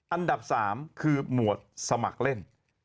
อันดับ๓คือหมวดสมัครเล่น